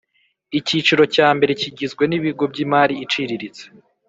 Icyiciro cya mbere kigizwe n ibigo by imari iciriritse